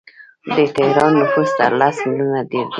د تهران نفوس تر لس میلیونه ډیر دی.